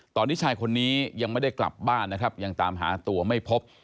ตอนนี้ชายคนนี้ยังไม่ได้กลับบ้านนะครับยังตามหาตัวไม่พบ